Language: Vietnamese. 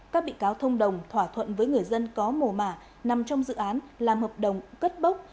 các bị cáo thông đồng thỏa thuận với người dân có mồ mả nằm trong dự án làm hợp đồng cất bốc